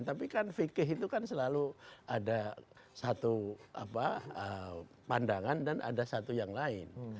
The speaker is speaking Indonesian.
tapi kan fikih itu kan selalu ada satu pandangan dan ada satu yang lain